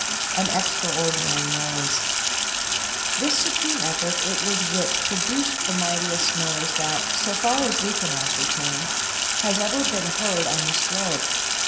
AN EXTRAORDINARY NOISE "This supreme effort it was which produced the mightiest noise that, so far as we can ascertain, has ever been heard on this globe.